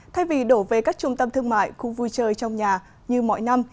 thay vì đổ về các trung tâm thương mại khu vui chơi trong nhà như mọi năm